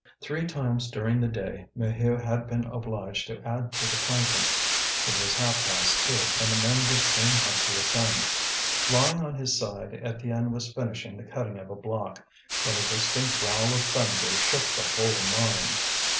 Three times during the day Maheu had been obliged to add to the planking. It was half past two, and the men would soon have to ascend. Lying on his side, Étienne was finishing the cutting of a block, when a distant growl of thunder shook the whole mine.